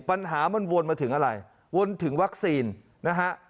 ปัญหามันวนมาถึงอะไรวนถึงวัคซีนนะฮะ